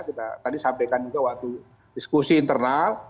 kita tadi sampaikan juga waktu diskusi internal